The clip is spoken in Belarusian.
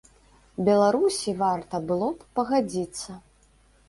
Беларусі варта было б пагадзіцца.